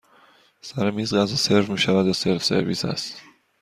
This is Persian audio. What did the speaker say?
سر میز غذا سرو می شود یا سلف سرویس هست؟